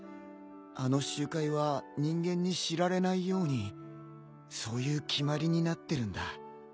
あの集会は人間に知られないようにそういう決まりになってるんだ。